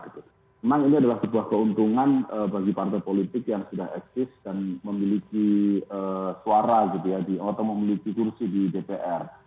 memang ini adalah sebuah keuntungan bagi partai politik yang sudah eksis dan memiliki suara gitu ya atau memiliki kursi di dpr